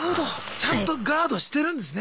ちゃんとガードしてるんですね。